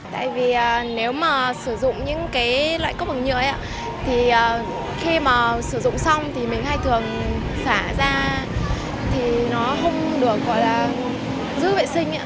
tại vì nếu mà sử dụng những cái loại cốc bằng nhựa ấy thì khi mà sử dụng xong thì mình hay thường xả ra thì nó không được gọi là giữ vệ sinh